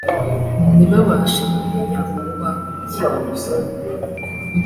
ntibabashe kumenya uwo bakopye